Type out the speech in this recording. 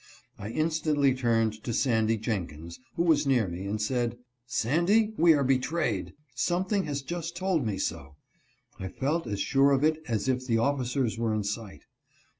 I instantly turned to Sandy Jen kins, who was near me, and said :" Sandy, we are betrayed !— something has just told me so." I felt as sure of it as if the officers were in sight.